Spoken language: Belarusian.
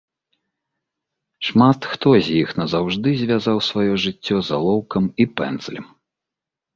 Шмат хто з іх назаўжды звязаў сваё жыццё з алоўкам і пэндзлем.